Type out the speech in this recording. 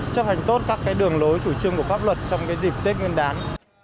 chấp hành tốt các đường lối chủ trương của pháp luật trong dịp tết nguyên đán